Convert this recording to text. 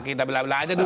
kita belah belah aja dulu